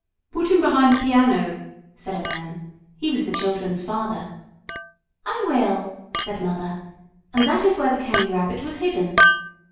"Put him behind the piano," said a man. He was the children's father. "I will," said Mother, and that is where the Candy Rabbit was hidden.